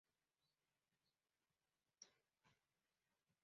He had a small role in that soap opera.